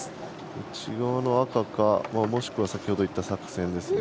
内側の赤か、もしくは先ほど言った作戦ですかね。